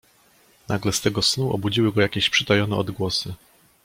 "Nagle z tego snu obudziły go jakieś przytajone odgłosy."